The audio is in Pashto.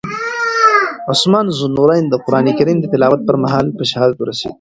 عثمان ذوالنورین د قرآن کریم د تلاوت پر مهال په شهادت ورسېد.